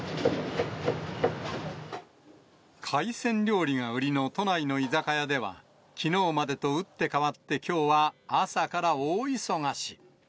海鮮料理が売りの都内の居酒屋では、きのうまでと打って変わって、きょうは朝から大忙し。